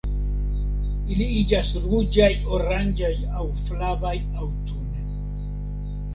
Ili iĝas ruĝaj, oranĝaj aŭ flavaj aŭtune.